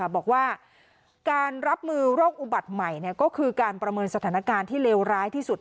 บอกว่าการรับมือโรคอุบัติใหม่ก็คือการประเมินสถานการณ์ที่เลวร้ายที่สุด